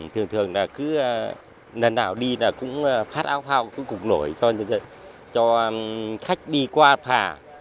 thường thường là cứ lần nào đi cũng phát áo phao cục nổi cho khách đi qua phà